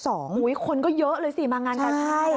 โอ้โฮคนก็เยอะเลยสิมางานกาชา